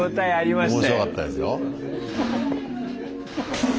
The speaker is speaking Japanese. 面白かったですよ。